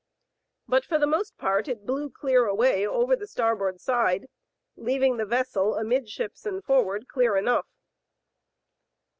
But for the most part it blew clear away over the starboard side, leaving the vessel amidships and forward clear enough.